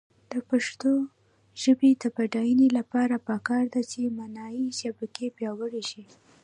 د پښتو ژبې د بډاینې لپاره پکار ده چې معنايي شبکې پیاوړې شي.